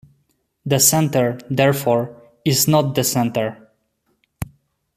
"The center", therefore, "is not the center.